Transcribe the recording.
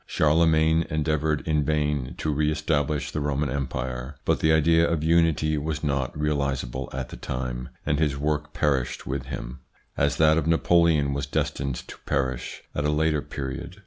Charlemagne endeavoured in vain to re establish the Roman Empire, but the idea of unity was not realisable at the time, and his work perished with him, as that of Napoleon was destined to perish at a later period.